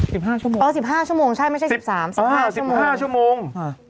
๑๕ชั่วโมง๑๕ชั่วโมงใช่ไม่ใช่๑๓๑๕ชั่วโมง